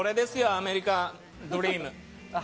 アメリカンドリーム。